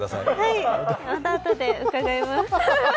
はい、またあとで伺います。